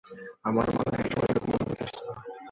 আমারও মনে একসময় এরকম অনুভূতি এসেছিল!